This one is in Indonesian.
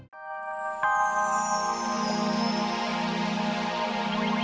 biasa diserah lu